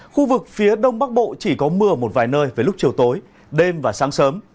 khu vực phía đông bắc bộ chỉ có mưa một vài nơi với lúc chiều tối đêm và sáng sớm